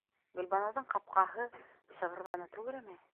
Гөлбаныуҙың ҡапҡаһы шығырҙаны түгелме?